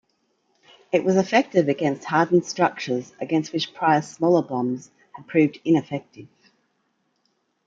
It was effective against hardened structures against which prior, smaller bombs had proved ineffective.